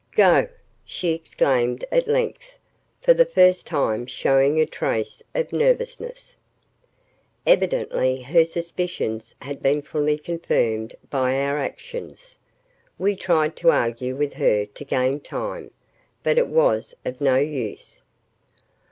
"Go!" she exclaimed at length, for the first time showing a trace of nervousness. Evidently her suspicions had been fully confirmed by our actions. We tried to argue with her to gain time. But it was of no use.